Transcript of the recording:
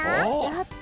やった！